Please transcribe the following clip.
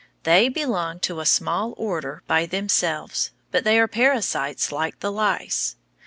They belong to a small order by themselves, but they are parasites like the lice.